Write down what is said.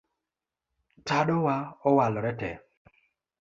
Tadowa owalore tee